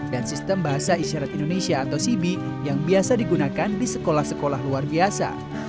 dan sistem bahasa isyarat indonesia atau sibi yang biasa digunakan di sekolah sekolah luar biasa